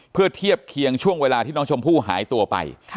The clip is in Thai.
เพื่อเทียบเคียงช่วงเวลาที่น้องชมพู่หายตัวไป